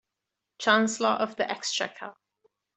Chancellor of the Exchequer